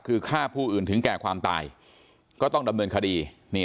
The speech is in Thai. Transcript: คือฆ่าผู้อื่นถึงแก่ความตายก็ต้องดำเนินคดี